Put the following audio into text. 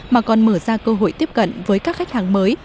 mà còn mở ra cơ hội tiếp cận với các khách hàng mới